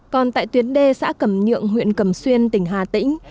còn tại tuyến đê xã cầm nhượng huyện cầm xuyên tỉnh hà tĩnh